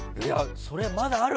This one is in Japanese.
それ、まだある？